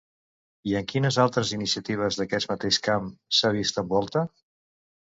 I en quines altres iniciatives d'aquest mateix camp s'ha vist envolta?